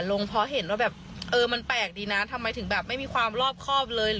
ลงเพราะเห็นว่าแบบเออมันแปลกดีนะทำไมถึงแบบไม่มีความรอบครอบเลย